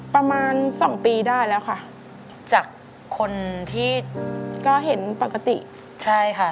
ประมาณสองปีได้แล้วค่ะจากคนที่ก็เห็นปกติใช่ค่ะ